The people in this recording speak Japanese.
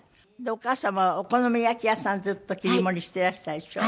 お母様はお好み焼き屋さんずっと切り盛りしてらしたでしょ？